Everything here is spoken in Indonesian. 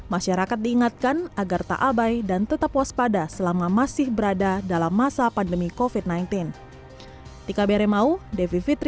masyarakat diingatkan agar tak abai dan tetap waspada selama masih berada dalam masa pandemi covid sembilan belas